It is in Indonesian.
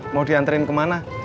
mau dianterin kemana